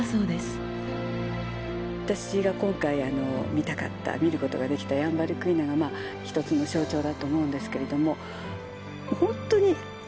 私が今回見たかった見ることができたヤンバルクイナが一つの象徴だと思うんですけれども。